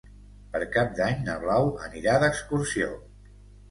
Per Cap d'Any na Blau anirà d'excursió.